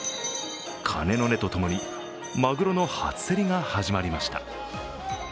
鐘の音と共にまぐろの初競りが始まりました。